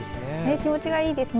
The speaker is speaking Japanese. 気持ちがいいですね。